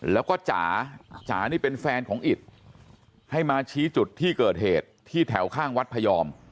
แล้วก็จ๋าจ๋านี่เป็นแฟนของอิตให้มาชี้จุดที่เกิดเหตุที่แถวข้างวัดพยอม